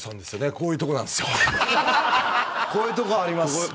こういうとこあります。